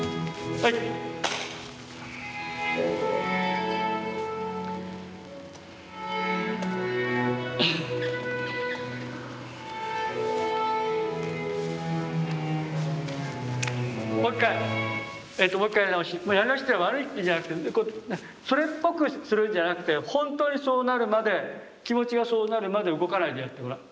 やり直しっていうのは悪いっていうんじゃなくてそれっぽくするんじゃなくて本当にそうなるまで気持ちがそうなるまで動かないでやってごらん。